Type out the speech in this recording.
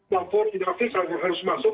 pemerintah harus masuk